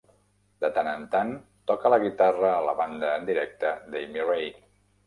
De tant en tant toca la guitarra a la banda en directe d'Amy Ray.